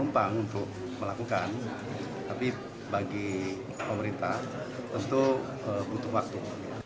gampang untuk melakukan tapi bagi pemerintah tentu butuh waktu